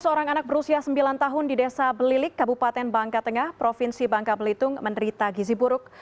seorang anak berusia sembilan tahun di desa belilik kabupaten bangka tengah provinsi bangka belitung menderita gizi buruk